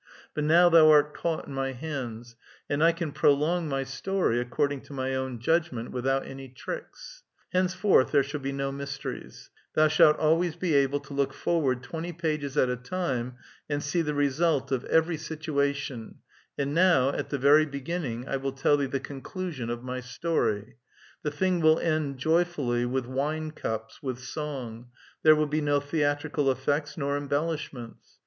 But now thou art caught in my hands, and I can prolong my story, according to my own judgment, without any tiicks. Henceforth there shall be no mysteries ; thou shalt always be able to look for ward twenty pages at a time and see the result of every sit uation, and now, at the very beginning, I will tell thee the conclusion of my story : the thing will end joyfully, with wine cups, with song ; there will be no theatrical effects nor embellishments.